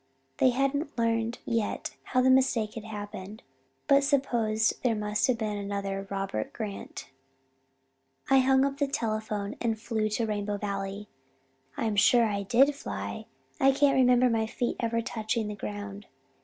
They hadn't learned yet how the mistake had happened but supposed there must have been another Robert Grant. "I hung up the telephone and flew to Rainbow Valley. I'm sure I did fly I can't remember my feet ever touching the ground.